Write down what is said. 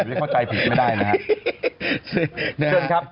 แล้วเข้าใจผิดไม่ได้นะครับ